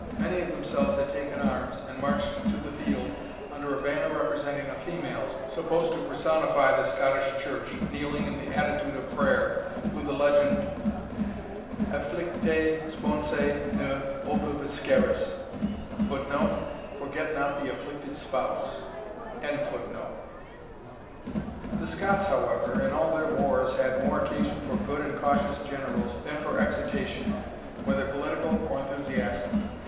Many of themselves had taken arms, and marched to the field, under a banner representing a female, supposed to personify the Scottish Church, kneeling in the attitude of prayer, with the legend, Afflictae Sponsae ne obliviscaris. [Footnote: Forget not the afflicted spouse.] The Scots, however, in all their wars, had more occasion for good and cautious generals, than for excitation, whether political or enthusiastic.